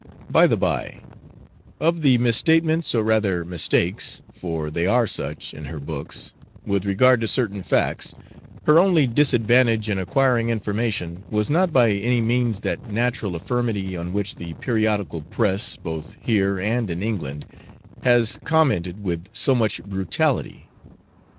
By the bye of the misstatements, or rather mistakes, for they are such, in her books, with regard to certain facts her only disadvantage in acquiring information was not by any means that natural infirmity on which the periodical press, both here and in England, has commented with so much brutality.